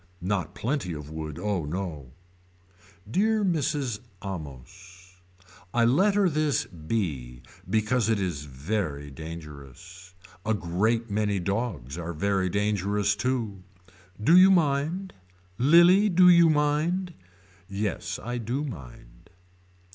Not plenty of wood oh no. Dear Mrs. Amos. I letter this B because it is very dangerous. A great many dogs are very dangerous too. Do you mind. Lilie do you mind. Yes I do mind.